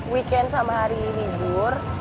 weekend sama hari ini bur